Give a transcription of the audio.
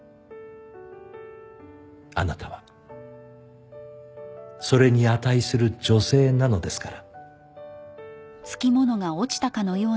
あなたはそれに値する女性なのですから。